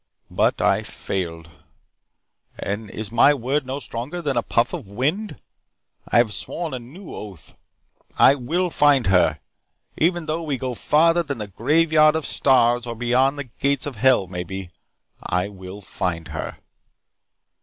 But I failed. And is my word no stronger than a puff of wind? I have sworn a new oath. I will find her. Even though we go farther than the graveyard of stars or beyond the gates of hell, maybe I will find her."